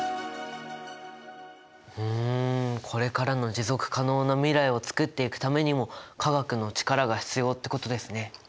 ふんこれからの持続可能な未来をつくっていくためにも化学の力が必要ってことですね。